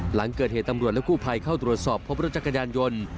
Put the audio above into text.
หลังเกิดเหตุตำรวจและกู้ภัยเข้าตรวจสอบพบรถจักรยานยนต์